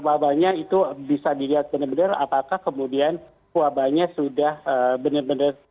wabahnya itu bisa dilihat benar benar apakah kemudian wabahnya sudah benar benar